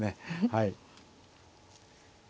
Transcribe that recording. はい。